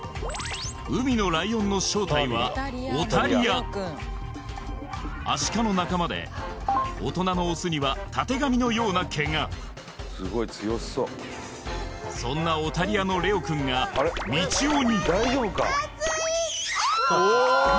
海のライオンの正体はオタリアアシカの仲間で大人のオスにはたてがみのような毛がそんなオタリアのレオくんがみちおに熱いあー！